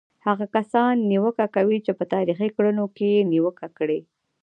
هغه کسان نیوکه کوي چې په تاریخي کړنو کې یې نیوکه کړې.